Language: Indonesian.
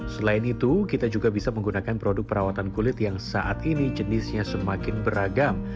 selain itu kita juga bisa menggunakan produk perawatan kulit yang saat ini jenisnya semakin beragam